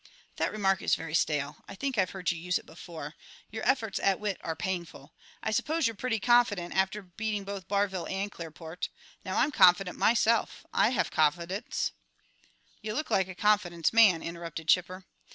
"That remark is very stale; I think I've heard you use it before. Your efforts at wit are painful. I suppose you're pretty confident, after beating both Barville and Clearport? Now I'm confident myself; I have confidence " "You look like a confidence man," interrupted Chipper.